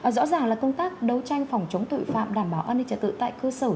rõ ràng là công tác đấu tranh phòng chống tội phạm đảm bảo an ninh trật tự tại cơ sở